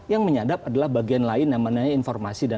yang menyadap adalah bagian lain yang namanya informasi dan